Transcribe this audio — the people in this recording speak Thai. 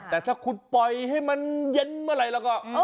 แต่ถ้าคุณปล่อยให้มันเย็นเมื่อไหร่แล้วก็